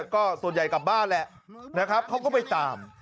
ก็ส่วนใหญ่กลับบ้านแหละนะครับเขาก็ไปตาม